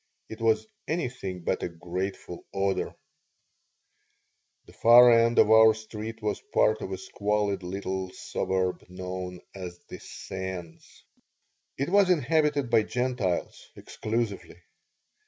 It was anything but a grateful odor The far end of our street was part of a squalid little suburb known as the Sands. It was inhabited by Gentiles exclusively.